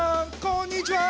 こんにちは。